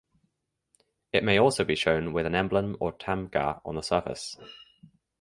It may also be shown with an emblem or tamgha on the surface.